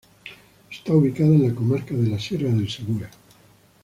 Está ubicada en la comarca de la Sierra del Segura.